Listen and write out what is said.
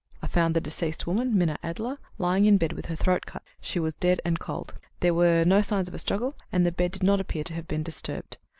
I found the deceased woman, Minna Adler, lying in bed with her throat cut. She was dead and cold. There were no signs of a struggle, and the bed did not appear to have been disturbed.